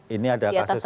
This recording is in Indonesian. ini ada kasus